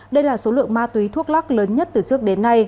đây là số lượng ma túy thuốc lắc lớn nhất từ trước đến nay